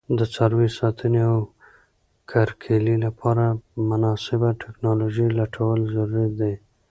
د څاروي ساتنې او کرکیلې لپاره مناسبه تکنالوژي لټول ضروري دي.